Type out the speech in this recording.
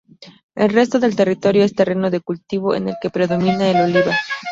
El resto del territorio es terreno de cultivo en el que predomina el olivar.